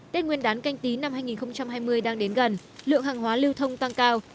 tết nguyên đán canh tí năm hai nghìn hai mươi đang đến gần lượng hàng hóa lưu thông tăng cao